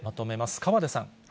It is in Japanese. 河出さん。